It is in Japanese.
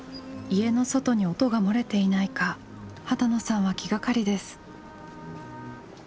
家の外に音が漏れていないか波多野さんは気がかりです。